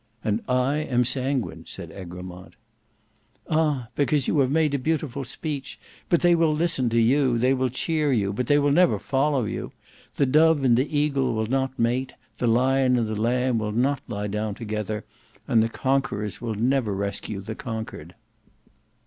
"And I am sanguine," said Egremont. "Ah! because you have made a beautiful speech. But they will listen to you, they will cheer you, but they will never follow you. The dove and the eagle will not mate; the lion and the lamb will not lie down together; and the conquerors will never rescue the conquered."